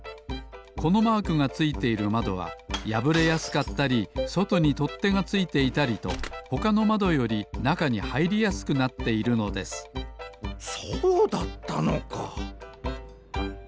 このマークがついているまどはやぶれやすかったりそとにとってがついていたりとほかのまどよりなかにはいりやすくなっているのですそうだったのか。